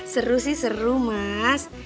seru sih seru mas